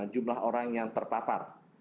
jumlah orang yang terpapar